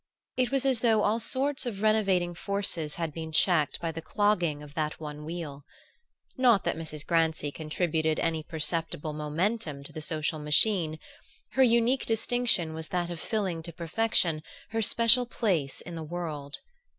It was as though all sorts of renovating forces had been checked by the clogging of that one wheel. Not that Mrs. Grancy contributed any perceptible momentum to the social machine: her unique distinction was that of filling to perfection her special place in the world.